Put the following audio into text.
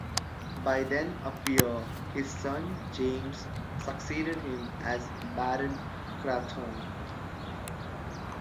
By then a peer, his son James succeeded him as Baron Crathorne.